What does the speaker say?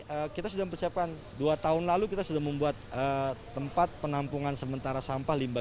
untuk pemprov dki kita sudah menyiapkan dua tahun lalu kita sudah membuat tempat penampungan sementara sampah limbah